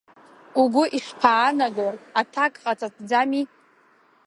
Угәы ишԥаанаго, аҭак ҟаҵатәӡами?